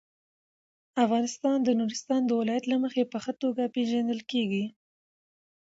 افغانستان د نورستان د ولایت له مخې په ښه توګه پېژندل کېږي.